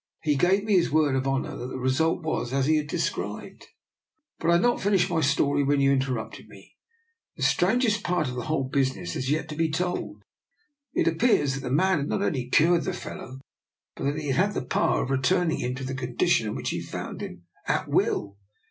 He gave me his word of honour that the result was as he described. But I had not finished my story when you interrupted me. The strangest part of the whole business has yet to be told. It appears that the man had not only cured the fellow, but that he had the power of returning him to the condition in which he found him, at will.